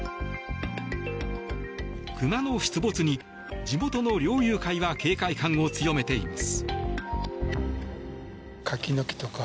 クマの出没に、地元の猟友会は警戒感を強めています。